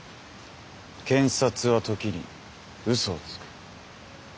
検察は時にうそをつく。